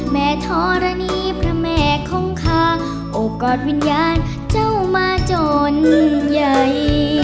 แม่ทรณีพระแม่คงคาโอกาสวิญญาณเจ้ามาจนใหญ่